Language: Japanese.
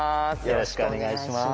よろしくお願いします。